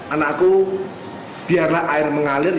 anakku biarlah air mengalir